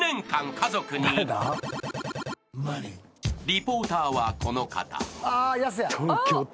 ［リポーターはこの方］